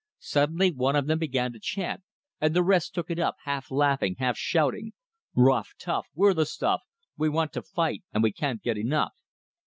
Suddenly one of them began to chant; and the rest took it up, half laughing, half shouting: Rough! Tough! We're the stuff! We want to fight and we can't get enough!